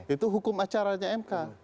itu hukum acaranya mk